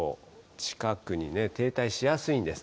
近くに停滞しやすいんです。